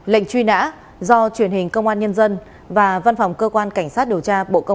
lệnh truy nã do truyền hình công an nhân dân và văn phòng cơ quan cảnh sát điều tra bộ công an phối hợp thực hiện